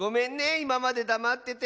いままでだまってて。